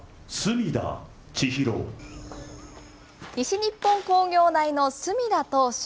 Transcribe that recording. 西日本工業大の隅田投手。